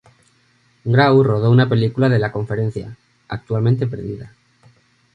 Grau rodó una película de la conferencia, actualmente perdida.